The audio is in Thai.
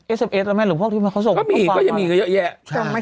เอสเอฟเอสแล้วไหมหรือพวกที่มาเขาส่งก็มีก็ยังมีเยอะแยะส่งมา